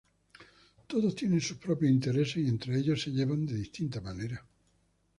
Todos tienen sus propios intereses y entre ellos se llevan de distinta manera.